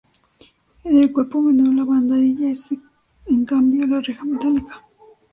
En el cuerpo menor, la barandilla es en cambio, de reja metálica.